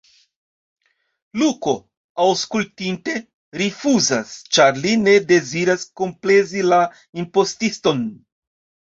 Luko, aŭskultinte, rifuzas, ĉar li ne deziras komplezi la impostiston.